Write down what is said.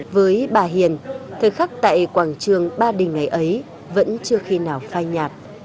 với bà hiền thời khắc tại quảng trường ba đình ngày ấy vẫn chưa khi nào phai nhạt